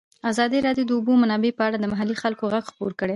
ازادي راډیو د د اوبو منابع په اړه د محلي خلکو غږ خپور کړی.